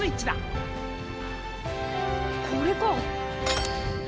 これか。